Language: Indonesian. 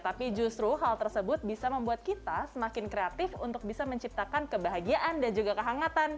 tapi justru hal tersebut bisa membuat kita semakin kreatif untuk bisa menciptakan kebahagiaan dan juga kehangatan